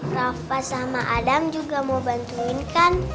rafa sama adam juga mau bantuin kan